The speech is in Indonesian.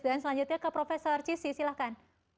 dan selanjutnya ke profesor cissy silakan